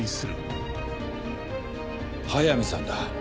速水さんだ。